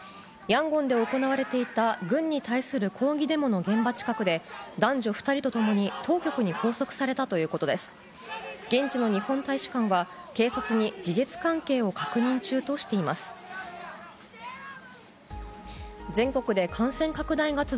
ヤンゴンで行われていた軍に対する抗議デモの現場近くで、男女２人とともに当局に拘束されたということです。